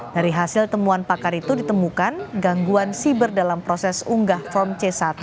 dari hasil temuan pakar itu ditemukan gangguan siber dalam proses unggah form c satu